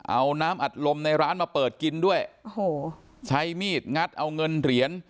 เอาน้ำอัดลมในร้านมาเปิดกินด้วยโอ้โหใช้มีดงัดเอาเงินเหรียญ